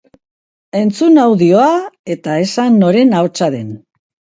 Entzun audioa eta esan noren ahotsa den!